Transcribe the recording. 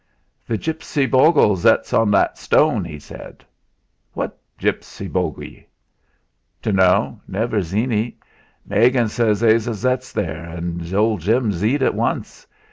"The gipsy bogle zets on that stone," he said. "What gipsy bogie?" "Dunno; never zeen 'e. Megan zays 'e zets there; an' old Jim zeed 'e once.